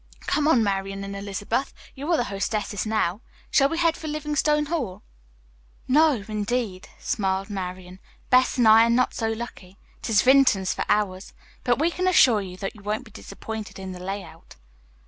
Come on, Marian and Elizabeth, you are the hostesses now. Shall we head for Livingstone Hall?" "No, indeed," smiled Marian. "Bess and I are not so lucky. It is Vinton's for ours. But we can assure you that you won't be disappointed in the layout."